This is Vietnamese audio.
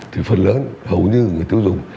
thì phần lớn hầu như người tiêu dùng